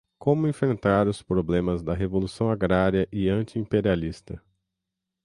Como Enfrentar os Problemas da Revolução Agrária e Anti-Imperialista